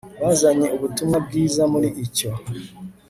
bazanye ubutumwa bwiza muri icyo